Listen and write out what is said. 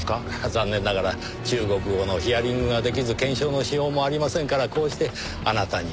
残念ながら中国語のヒアリングが出来ず検証のしようもありませんからこうしてあなたに直接。